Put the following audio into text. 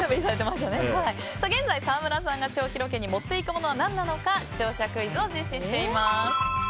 現在、沢村さんが長期ロケに持っていくものは何なのか視聴者クイズを実施しています。